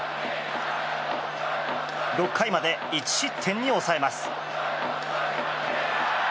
６回まで１失点に抑えます。